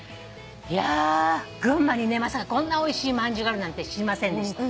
いや群馬にねまさかこんなおいしいまんじゅうがあるなんて知りませんでした。